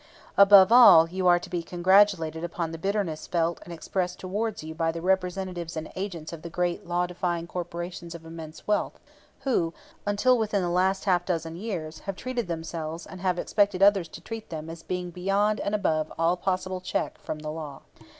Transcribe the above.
Above all, you are to be congratulated upon the bitterness felt and expressed towards you by the representatives and agents of the great law defying corporations of immense wealth, who, until within the last half dozen years, have treated themselves and have expected others to treat them as being beyond and above all possible check from law.